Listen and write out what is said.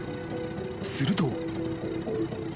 ［すると］